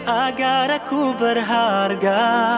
agar aku berharga